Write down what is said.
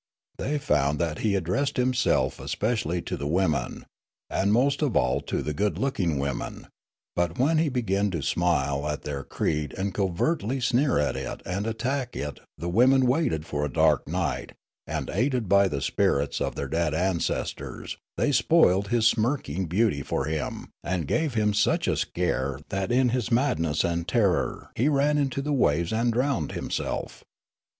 Thej' found that he addressed himself especially to the women, and most of all to the good looking women ; but when he began to smile at their creed and covertly sneer at it and attack it the women waited for a dark night and, aided by the spirits of their dead ancestors, they spoiled his smirking beauty for him and gave him such a scare that in his madness and terror he ran into the waves and drowned himself.